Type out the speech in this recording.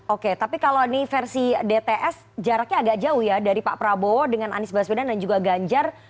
oke tapi kalau ini versi dts jaraknya agak jauh ya dari pak prabowo dengan anies baswedan dan juga ganjar